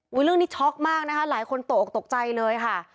เรื่องนี้ช็อกมากนะคะหลายคนตกออกตกใจเลยค่ะ